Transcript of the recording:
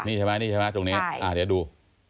นี่ใช่ไหมนี่ใช่ไหมตรงนี้เดี๋ยวดู